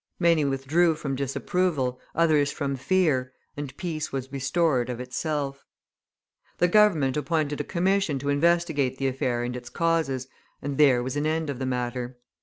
Many withdrew from disapproval, others from fear, and peace was restored of itself. The Government appointed a commission to investigate the affair and its causes, and there was an end of the matter.